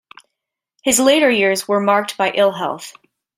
His later years were marked by ill health.